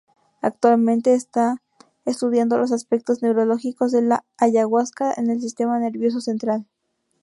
Actualmente, están estudiando los aspectos neurológicos de la ayahuasca en el sistema nervioso central.